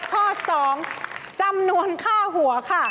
ข้อ๒จำนวนค่าหัวค่ะ